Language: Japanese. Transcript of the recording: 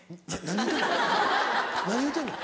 何言うてんの？